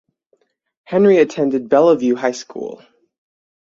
Henry attended Bellevue High School.